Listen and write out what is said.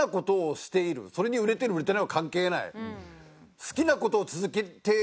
それに売れてる売れていないは関係ない。